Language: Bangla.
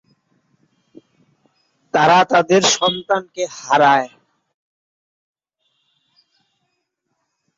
তারা তাদের সন্তানকে হারায়।